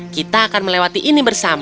kita akan melewati ini bersama